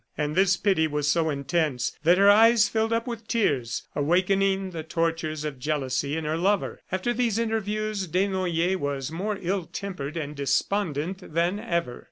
And this pity was so intense that her eyes filled with tears, awakening the tortures of jealousy in her lover. After these interviews, Desnoyers was more ill tempered and despondent than ever.